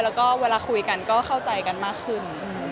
แล้วก็เวลาคุยกันก็เข้าใจกันมากขึ้น